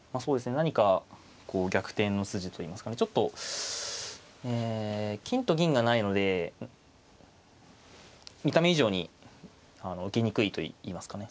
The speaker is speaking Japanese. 何か逆転の筋といいますかねちょっとえ金と銀がないので見た目以上に受けにくいといいますかね。